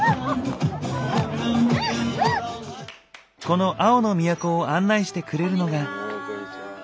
この青の都を案内してくれるのが。